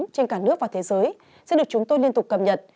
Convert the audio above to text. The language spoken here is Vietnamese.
trên cả nước và thế giới sẽ được chúng tôi liên tục cập nhật